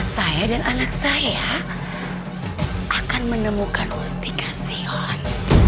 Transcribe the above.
saya dan anak saya akan menemukan mustika sion